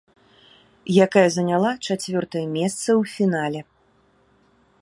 Якая заняла чацвёртае месца ў фінале.